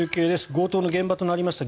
強盗の現場となりました